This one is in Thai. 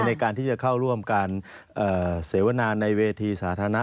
ในการที่จะเข้าร่วมการเสวนาในเวทีสาธารณะ